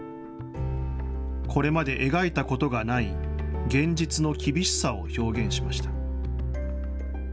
これまで描いたことがない、現実の厳しさを表現しました。